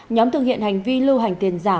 nhóm thực hiện hành vi lưu hành tiền giả